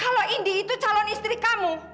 kalau indi itu calon istri kamu